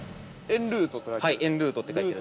◆エンルートって書いてある。